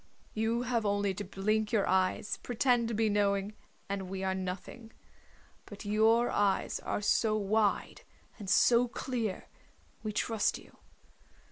You have only to blink your eyes, pretend to be knowing, and we are nothing. But your eyes are so wide and so clear, we trust you.